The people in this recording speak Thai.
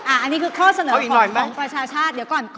อันนี้คือข้อเสนอของประชาชาติเดี๋ยวก่อน